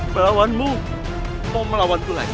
melawanmu mau melawanku lagi